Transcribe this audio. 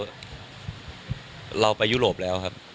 ตอนที่เราไปยุโรปแล้วครับ